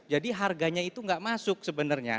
jadi harganya itu enggak masuk sebenarnya